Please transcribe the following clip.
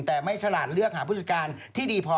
แต่ไม่ฉลาดเลือกหาผู้จัดการที่ดีพอ